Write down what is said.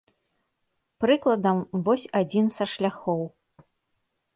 Прыкладам, вось адзін са шляхоў.